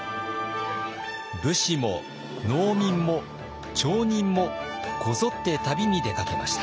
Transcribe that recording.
武士も農民も町人もこぞって旅に出かけました。